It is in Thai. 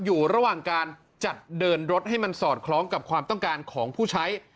อยู่ระหว่างการจัดเดินรถให้มันสอดคล้องกับความต้องการของผู้ใช้